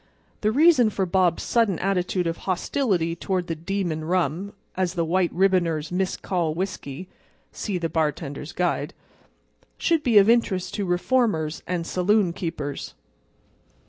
The reason for Bob's sudden attitude of hostility toward the "demon rum"—as the white ribboners miscall whiskey (see the "Bartender's Guide"), should be of interest to reformers and saloon keepers.